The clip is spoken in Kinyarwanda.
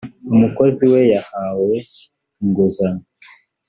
umukozi we yahawe inguzanyo